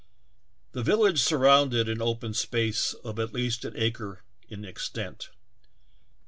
The village surrounded an open space of at least an acre in extent.